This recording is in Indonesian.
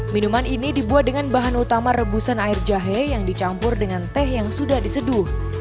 minuman ini dibuat dengan bahan utama rebusan air jahe yang dicampur dengan teh yang sudah diseduh